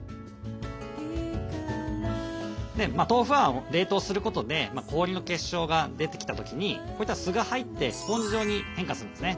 豆腐は冷凍することで氷の結晶が出てきた時にこういったすが入ってスポンジ状に変化するんですね。